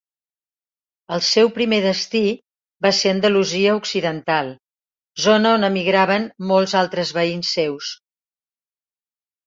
El seu primer destí va ser Andalusia occidental, zona on emigraven molts altres veïns seus.